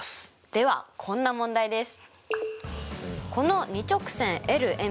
ではこんな問題です。